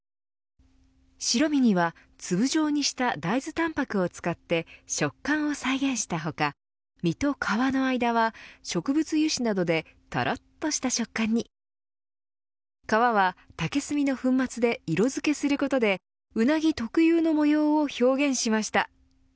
白身には粒状にした大豆タンパクを使って食感を再現した他身と皮の間は植物油脂などでとろっとした食感に皮は竹炭の粉末で色付けすることでウナギ特有の模様を表現しました。